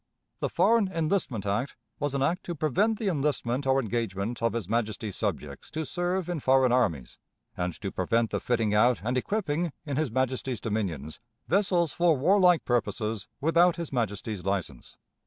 The Foreign Enlistment Act was an act to prevent the enlistment or engagement of his Majesty's subjects to serve in foreign armies, and to prevent the fitting out and equipping in his Majesty's dominions vessels for warlike purposes without his Majesty's license.